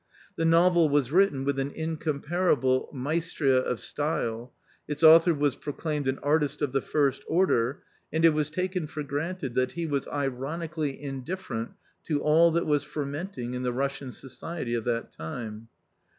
The novel was written with an incomparable maestria of style, its author was proclaimed an ' artist ' of the first order, and it was taken for granted that he was ironically indifferent to all that was fermenting in the Russian society of that time.